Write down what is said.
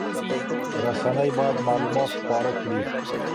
رسنۍ باید معلومات خپاره کړي.